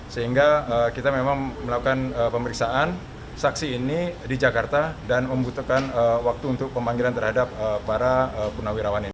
sehingga kita memang melakukan pemeriksaan saksi ini di jakarta dan membutuhkan waktu untuk pemanggilan terhadap para purnawirawan ini